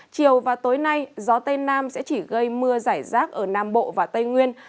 chiều và tối nay gió tây nam sẽ chỉ gây mưa giải rác ở nam bộ và tây nguyên